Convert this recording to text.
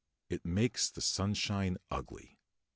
It makes the sunshine ugly.